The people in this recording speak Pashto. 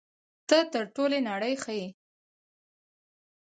ته تر ټولې نړۍ ښه یې.